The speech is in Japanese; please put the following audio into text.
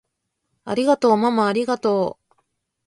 ありがとうままありがとう！